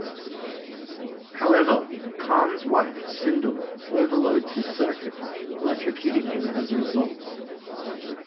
However, Kahn's wife, Sindel, overloads his circuits, electrocuting him as a result.